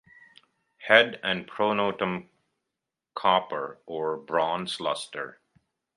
Head and pronotum copper or bronze lustre.